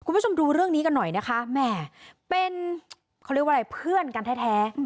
คุณผู้ชมดูเรื่องนี้กันหน่อยนะคะแหมเป็นเขาเรียกว่าอะไรเพื่อนกันแท้